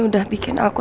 udah bikin aku